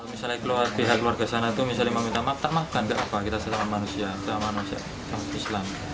misalnya keluarga sana itu misalnya meminta makan makan gak apa kita selama manusia selama manusia selama islam